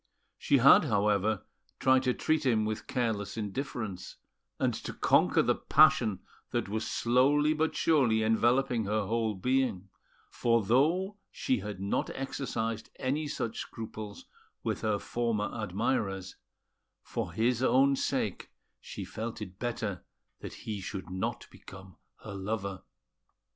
She had, however, tried to treat him with careless indifference and to conquer the passion that was slowly but surely enveloping her whole being; for though she had not exercised any such scruples with her former admirers, for his own sake she felt it better that he should not become her lover.